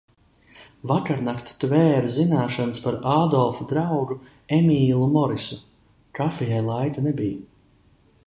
Vakarnakt tvēru zināšanas par Ādolfa draugu Emīlu Morisu. Kafijai laika nebija.